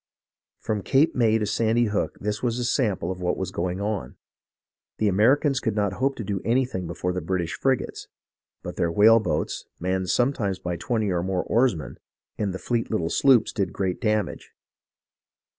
From Cape May to Sandy Hook this was a sample of what was going on. The Americans could not hope to do anything before the British frigates ; but their whale boats, manned sometimes by twenty or more oarsmen, and the fleet little sloops did great damage.